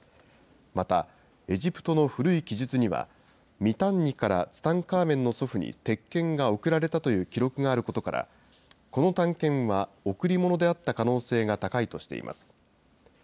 また、エジプトの古い記述には、ミタンニからツタンカーメンの祖父に鉄剣が贈られたという記録があることから、この短剣は贈り物であった可能性が高いとしています。